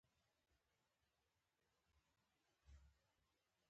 د ګلاب ګل د قبضیت د لرې کولو لپاره وکاروئ